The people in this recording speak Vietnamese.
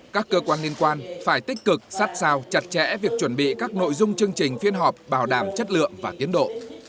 các cơ quan liên quan phải tích cực sát sao chặt chẽ việc chuẩn bị các nội dung chương trình phiên họp bảo đảm chất lượng và tiến độ